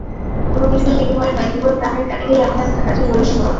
কোনো কিছুর বিনিময়ে নয়, কেবল প্রাণের তাগিদেই এমন একটা কাজে জড়িত হওয়া।